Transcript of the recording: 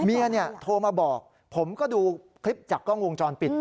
เมียโทรมาบอกผมก็ดูคลิปจากกล้องวงจรปิด